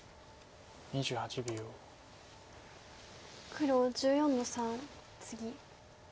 黒１４の三ツギ。